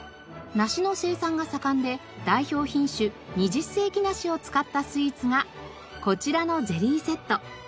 梨の生産が盛んで代表品種二十世紀梨を使ったスイーツがこちらのゼリーセット。